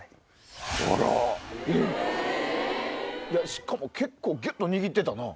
しかも結構ギュっと握ってたな。